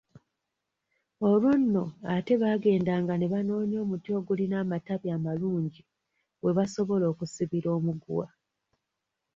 Olwo nno ate baagendanga ne banoonya omuti ogulina amatabi amalungi we basobola okusibira omuguwa.